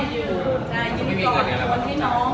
ยืนก่อนยืนให้น้อง